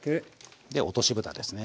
で落としぶたですね。